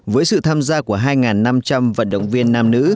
với sự tham gia của hai năm trăm linh vận động viên nam nữ